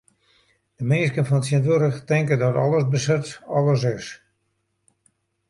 De minsken fan tsjintwurdich tinke dat besit alles is.